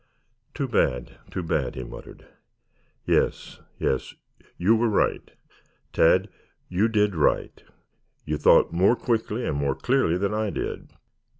"Too bad, too bad!" he muttered. "Yes, yes. You were right, Tad. You did right. You thought more quickly and more clearly than I did.